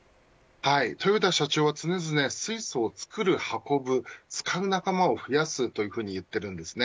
豊田社長は常々水素を作る、運ぶ使う仲間を増やすと言っています。